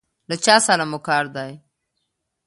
له چا سره مو کار دی؟